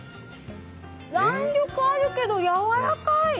弾力あるけどやわらかい。